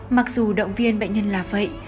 mặc dù động viên bệnh nhân là vậy